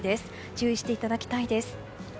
注意していただきたいです。